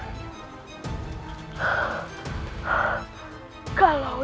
kau tahu kalau apa